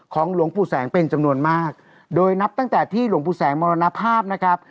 หลวงปู่แสงเป็นจำนวนมากโดยนับตั้งแต่ที่หลวงปู่แสงมรณภาพนะครับ